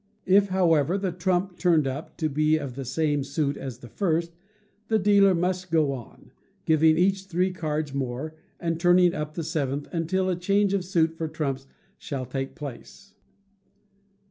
If, however, the trump turned up to be of the same suit as the first, the dealer must go on, giving each three cards more, and turning up the seventh, until a change of suit for trumps shall take place.